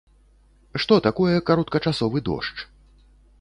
Што такое кароткачасовы дождж?